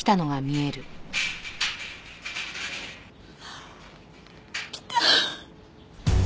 あっ来た。